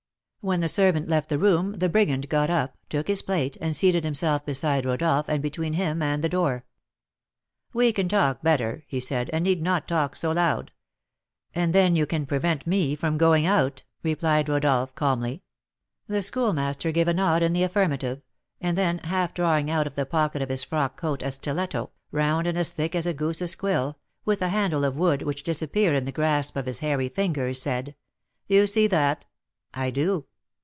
When the servant left the room, the brigand got up, took his plate, and seated himself beside Rodolph and between him and the door. "We can talk better," he said, "and need not talk so loud." "And then you can prevent me from going out," replied Rodolph, calmly. The Schoolmaster gave a nod in the affirmative, and then, half drawing out of the pocket of his frock coat a stiletto, round and as thick as a goose's quill, with a handle of wood which disappeared in the grasp of his hairy fingers, said: "You see that?" "I do."